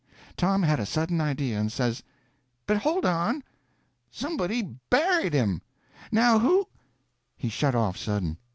Tom had a sudden idea, and says: "But hold on!—somebody buried him. Now who—" He shut off sudden.